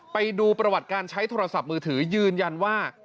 ไปดูประวัติการใช้โทรศัพท์มือถือยืนยันว่า